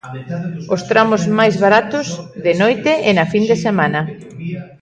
Os tramos máis baratos, de noite e na fin de semana.